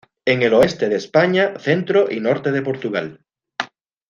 En el oeste de España, centro y norte de Portugal.